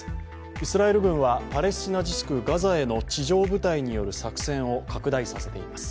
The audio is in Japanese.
イスラエル軍はパレスチナ自治区ガザへの地上部隊による作戦を拡大させています。